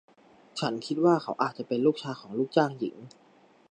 ฉันคิดว่าเขาอาจจะเป็นลูกชายของลูกจ้างหญิง